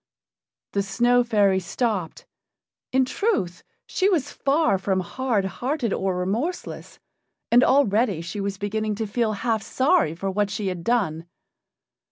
The Snow fairy stopped; in truth, she was far from hard hearted or remorseless, and already she was beginning to feel half sorry for what she had done.